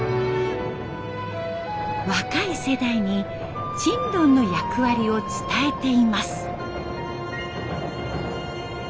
若い世代にちんどんの役割を伝えています。